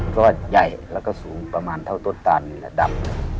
ก็ใหญ่แล้วก็สูงประมาณเท่าต้นตานนี่แหละดำ